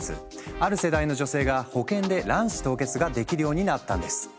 ある世代の女性が保険で卵子凍結ができるようになったんです。